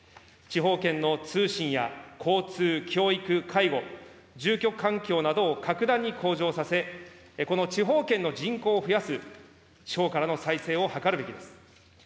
地方圏の通信や交通、教育、介護、住居環境などを格段に向上させ、この地方圏の人口を増やす地方からの再生を図るべきです。